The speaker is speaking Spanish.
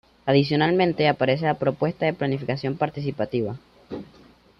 Adicionalmente aparece la propuesta de planificación participativa.